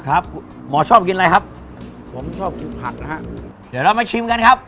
หมอชอบกินอะไรครับผมชอบกินผักนะฮะเดี๋ยวเรามาชิมกันครับ